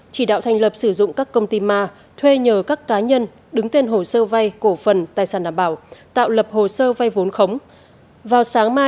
chỉ đạo thành lập sử dụng các công ty ma thuê nhờ các cá nhân đứng tên hồ sơ vay cổ phần tài sản đảm bảo tạo lập hồ sơ vay vốn khống